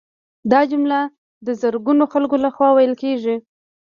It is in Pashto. دا جمله د زرګونو خلکو لخوا ویل کیږي